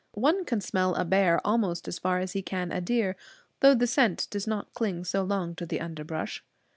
One can smell a bear almost as far as he can a deer, though the scent does not cling so long to the underbrush.